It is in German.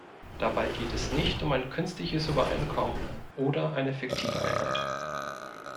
Dabei geht es nicht um ein künstliches Übereinkommen oder eine fiktive Einheit.